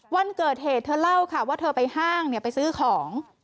วันเกิดเหตุเธอเล่าค่ะว่าเธอไปห้างไปซื้อของ